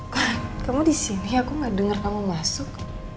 kamu disini aku gak denger kamu masuk